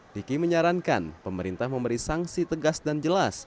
diki menyarankan pemerintah memberi sanksi tegas dan jelas